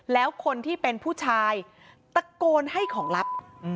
แล้วคนที่เป็นผู้ชายตะโกนให้ของลับ